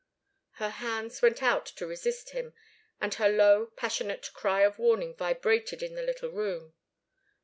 Her hands went out to resist him, and her low, passionate cry of warning vibrated in the little room.